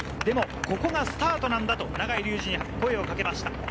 でもここがスタートなんだと永井竜二に声をかけました。